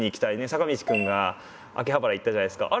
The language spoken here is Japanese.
坂道くんが秋葉原行ったじゃないっすか。